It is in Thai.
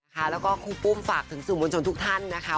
แล้วก็ครูปุ้มฝากถึงสื่อมวลชนทุกท่านนะคะ